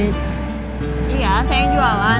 iya saya yang jualan